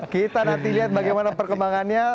kita nanti lihat bagaimana perkembangannya